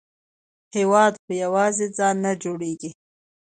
هېواد په یوازې ځان نه جوړیږي.